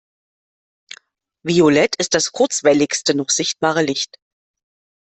Violett ist das kurzwelligste noch sichtbare Licht.